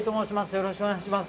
よろしくお願いします